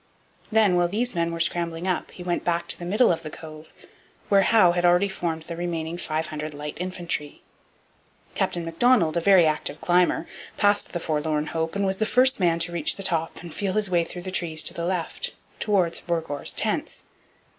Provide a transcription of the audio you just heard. Then, while these men were scrambling up, he went back to the middle of the Cove, where Howe had already formed the remaining 500 light infantry. Captain Macdonald, a very active climber, passed the 'Forlorn Hope' and was the first man to reach the top and feel his way through the trees to the left, towards Vergor's tents.